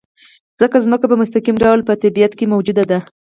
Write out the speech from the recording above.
ځکه ځمکه په مستقیم ډول په طبیعت کې موجوده ده.